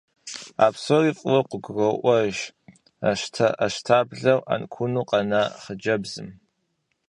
А псори фӏыуэ къыгуроӏуэж щтэӏэщтаблэу, ӏэнкуну къэна хъыджэбзым.